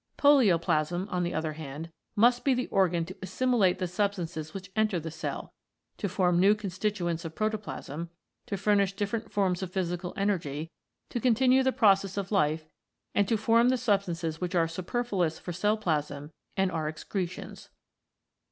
Polioplasm, on the other hand, must be the organ to assimilate the substances which enter the cell, to form new constituents of protoplasm, to furnish different forms of physical energy, to continue the process of life and to form the substances which are superfluous for cellplasm and are excretions.